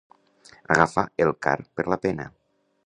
Agafar el car per la pena.